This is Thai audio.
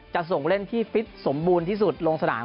จะส่งเล่นที่ฟิตสมบูรณ์ที่สุดลงสนาม